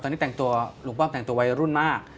ตอนนี้แต่งตัวลุงป้อมแต่งตัววัยรุ่นมาก